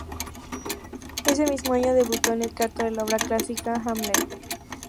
Ese mismo año, debutó en el teatro en la obra clásica "Hamlet".